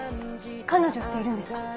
彼女っているんですか？